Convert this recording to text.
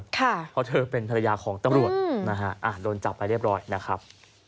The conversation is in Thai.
เพราะเธอเป็นภรรยาของตำรวจนะฮะโดนจับไปเรียบร้อยนะครับ